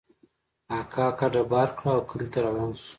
اکا کډه بار کړه او کلي ته روان سو.